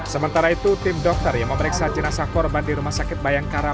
sementara itu tim dokter yang memeriksa jenazah korban di rumah sakit bayangkara